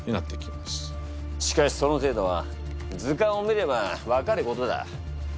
しかしその程度は図鑑を見れば分かることだ。